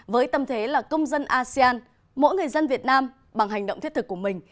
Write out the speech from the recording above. với tâm thế là công dân asean mỗi người dân việt nam bằng hành động thiết thực của mình